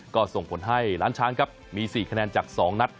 ก็ส่งผลให้ล้านช้างครับมี๔คะแนนจาก๒นัด